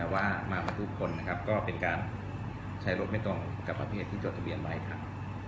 ว่ามากับทุกคนนะครับก็เป็นการใช้รถไม่ตรงกับประเภทที่จดทะเบียนไว้ครับ